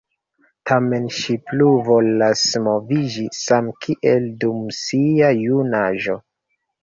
Tamen ŝi plu volas moviĝi, same kiel dum sia jun-aĝo.